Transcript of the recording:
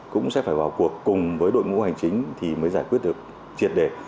cũng sẽ phải vào cuộc cùng với đội ngũ hành chính thì mới giải quyết được triệt đề